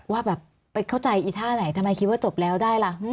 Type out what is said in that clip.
ว่าแบบไปเข้าใจอีท่าไหนทำไมคิดว่าจบแล้วได้ล่ะ